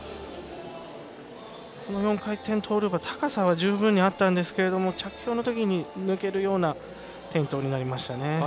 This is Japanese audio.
この４回転トーループは高さは十分にあったんですが着氷のときに抜けるような転倒になりましたね。